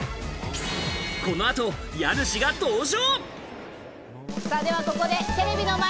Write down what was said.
この後、家主が登場。